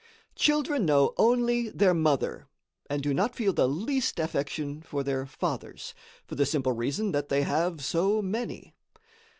Children know only their mother, and do not feel the least affection for their fathers, for the simple reason that they have so many.